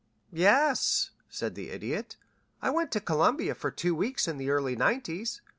"Yes," said the Idiot. "I went to Columbia for two weeks in the early nineties.